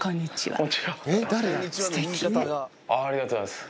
ありがとうございます。